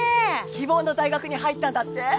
希望の大学に入ったんだって？